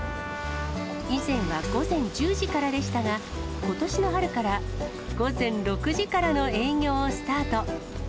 以前は午前１０時からでしたが、ことしの春から午前６時からの営業をスタート。